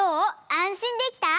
あんしんできた？